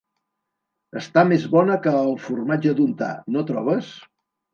Està més bona que el formatge d'untar, no trobes?